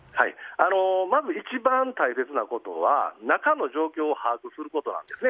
まず一番大切なことは中の状況を把握することなんですね。